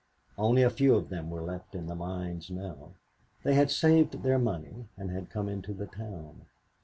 Only a few of them were left in the mines now. They had saved their money and had come into the town.